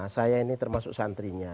saya ini termasuk santrinya